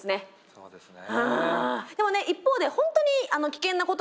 そうですね。